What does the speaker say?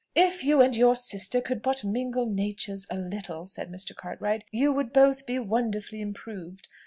"If you and your sister could but mingle natures a little," said Mr. Cartwright, "you would both be wonderfully improved.